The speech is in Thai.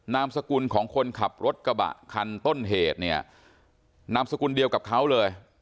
นามสกุลของคนขับรถกระบะคันต้นเหตุเนี่ยนามสกุลเดียวกับเขาเลย